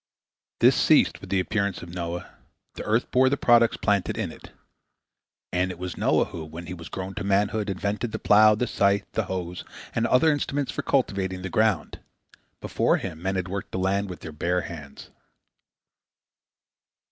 This ceased with the appearance of Noah: the earth bore the products planted in it. And it was Noah who, when he was grown to manhood, invented the plough, the scythe, the hoe, and other implements for cultivating the ground. Before him men had worked the land with their bare hands.